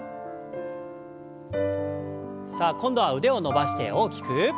さあ今度は腕を伸ばして大きく。